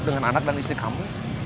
dengan anak dan istri kamu